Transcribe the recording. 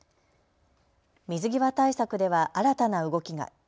水際対策では新たな動きが。